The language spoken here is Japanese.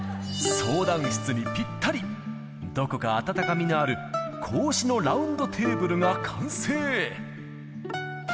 相談室にぴったり、どこか温かみのある格子のラウンドテーブルが完成。